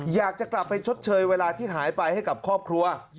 อยากจะกลับไปชดเชยเวลาที่หายไปให้กับครอบครัว